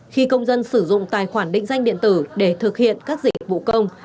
khi công dân sử dụng tài khoản định danh điện tử để thực hiện các dịch vụ công